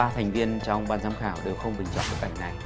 ba thành viên trong ban giám khảo đều không bình chọn bức ảnh này